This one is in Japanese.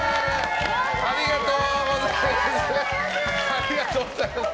ありがとうございます！